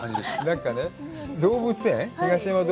なんかね、動物園。